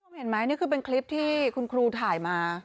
เห็นไหมนี่คือเป็นคลิปที่คุณครูถ่ายมา